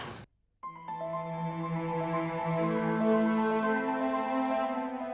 sampai jumpa lagi